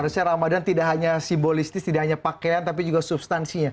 menurut saya ramadan tidak hanya simbolistis tidak hanya pakaian tapi juga substansinya